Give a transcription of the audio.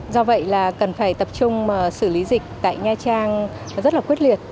do vậy là cần phải tập trung xử lý dịch tại nha trang rất là quyết liệt